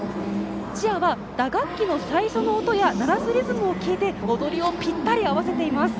チアは打楽器の最初の音や鳴らすリズムを聴いて踊りをぴったり合わせています。